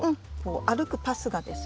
歩くパスがですね